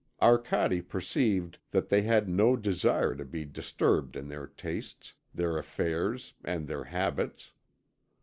Arcade perceived that they had no desire to be disturbed in their tastes, their affairs, and their habits.